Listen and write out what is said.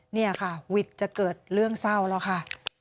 นี่ค่ะวิทย์จะเกิดเรื่องเศร้าแล้วค่ะ